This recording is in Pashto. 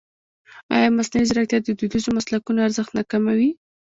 ایا مصنوعي ځیرکتیا د دودیزو مسلکونو ارزښت نه کموي؟